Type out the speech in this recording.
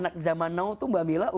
kalau ibu kudu pintar